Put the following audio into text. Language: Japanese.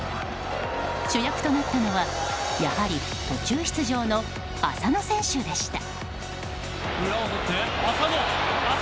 主役となったのはやはり途中出場の浅野選手でした。